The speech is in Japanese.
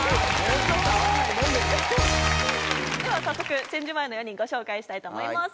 では早速チェンジ前の４人ご紹介したいと思います。